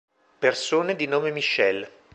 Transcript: Persone di nome Michelle